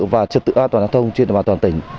và trật tự an toàn giao thông trên toàn tỉnh